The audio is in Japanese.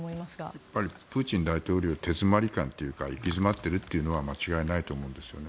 やっぱりプーチン大統領手詰まり感というか行き詰まっているのは間違いないと思うんですよね。